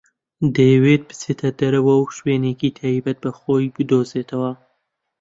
دەیەوێت بچێتە دەرەوە و شوێنێکی تایبەت بە خۆی بدۆزێتەوە.